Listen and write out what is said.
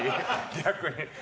逆に。